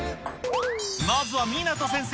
まずは湊先生